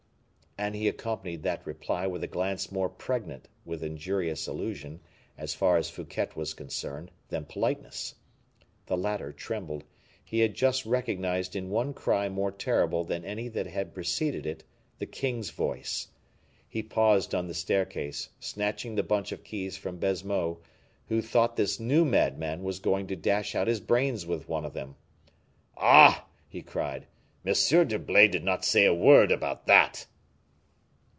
And he accompanied that reply with a glance more pregnant with injurious allusion, as far as Fouquet was concerned, than politeness. The latter trembled; he had just recognized in one cry more terrible than any that had preceded it, the king's voice. He paused on the staircase, snatching the bunch of keys from Baisemeaux, who thought this new madman was going to dash out his brains with one of them. "Ah!" he cried, "M. d'Herblay did not say a word about that."